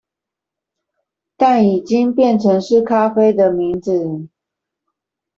但已經變成是咖啡的名字